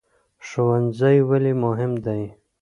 ښوونځی ولې مهم دی؟